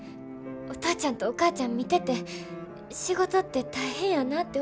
お父ちゃんとお母ちゃん見てて仕事って大変やなて思った。